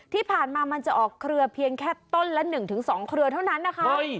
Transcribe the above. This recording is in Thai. ที่ผ่านมามันจะออกเครือเพียงแค่ต้นละ๑๒เครือเท่านั้นนะคะ